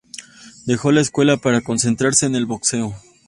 Dejó la escuela para concentrarse en el boxeo.